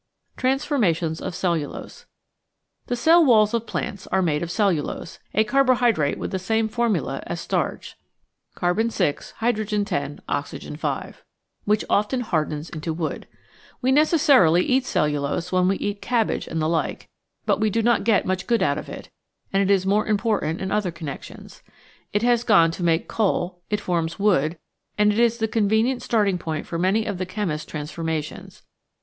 Transformations of Cellulose The cell walls of plants are made of cellulose, a carbohydrate with the same formula as starch (CcHioOs) , which often hardens into wood. We necessarily eat cellulose when we eat cabbage and the like, but we do not get much good out of it, and it is more important in other connections. It has gone to make coal, it forms wood, and it is the convenient starting point for many of the chemist's transformations.